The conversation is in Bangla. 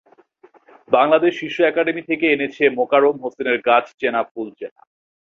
বাংলাদেশ শিশু একাডেমি থেকে এনেছে মোকারম হোসেনের গাছ চেনা ফুল চেনা।